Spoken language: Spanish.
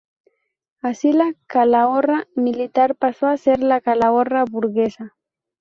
Así la Calahorra militar pasó a ser la Calahorra "burguesa".